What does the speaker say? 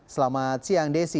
selamat siang desi